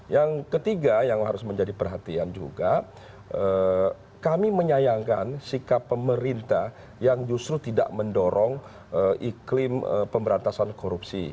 yang ketiga yang harus menjadi perhatian juga kami menyayangkan sikap pemerintah yang justru tidak mendorong iklim pemberantasan korupsi